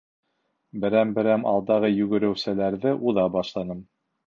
Берәм-берәм алдағы йүгереүселәрҙе уҙа башланым.